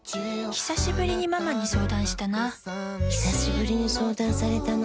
ひさしぶりにママに相談したなひさしぶりに相談されたな